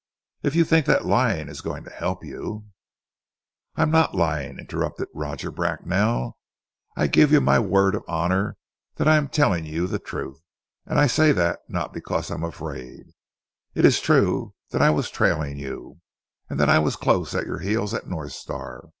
If you think that lying is going to help you " "I am not lying," interrupted Roger Bracknell. "I give you my word of honour that I am telling you the truth and I say that not because I am afraid. It is true that I was trailing you, and that I was close at your heels at North Star.